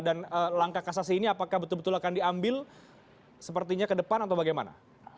dan langkah kasasi ini apakah betul betul akan diambil sepertinya ke depan atau bagaimana